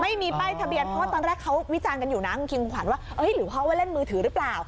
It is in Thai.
ไม่มีป้ายทะเบียนเพราะว่าตอนแรกเขาวิจารณ์กันอยู่นะคุณคิงขวัญว่าหรือเขาว่าเล่นมือถือหรือเปล่า